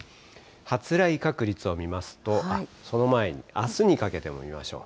発雷確率を見ますと、その前に、あすにかけても見ましょう。